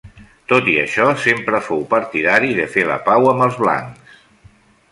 Tot i això, sempre fou partidari de fer la pau amb els blancs.